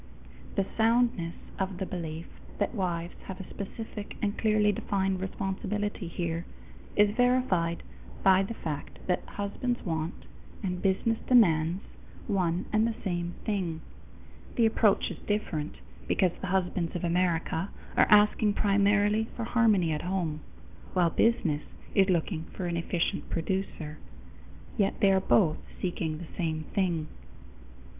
The soundness of the belief that wives have a specific and clearly defined responsibility here is verified by the fact that husbands want, and business demands, one and the same thing. The approach is different, because the husbands of America are asking primarily for harmony at home, while business is looking for an efficient producer; yet they both are seeking the same thing.